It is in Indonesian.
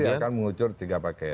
tapi pasti akan mengucur tiga paket